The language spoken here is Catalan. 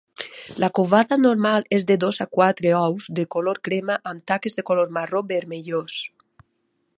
La covada normal és de dos a quatre ous de color crema amb taques de color marró vermellós.